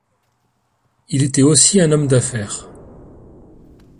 Il était aussi un homme d'affaires.